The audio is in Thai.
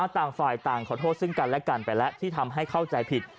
ต่างฝ่ายต่างขอโทษซึ่งกันและกันไปแล้วที่ทำให้เข้าใจผิด